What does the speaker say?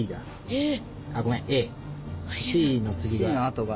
えっ！